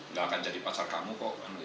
nggak akan jadi pasar kamu kok